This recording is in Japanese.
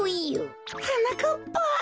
はなかっぱ。